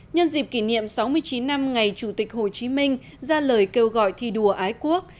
nhân dịp kỷ niệm sáu mươi chín năm ngày chủ tịch hồ chí minh ra lời kêu gọi thi đua ái quốc